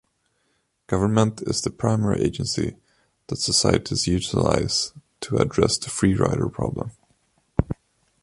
Government is the primary agency that societies utilize to address the free-rider problem.